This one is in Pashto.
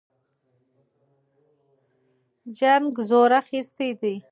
جنګ زور اخیستی دی.